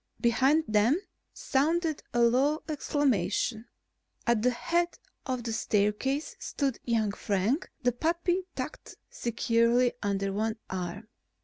Behind them sounded a low exclamation. At the head of the staircase stood young Frank, the puppy tucked securely under one arm.